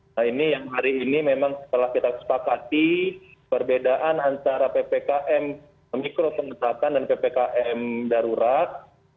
nah ini yang hari ini memang setelah kita sepakati perbedaan antara ppkm mikro pengetatan dan ppkm darurat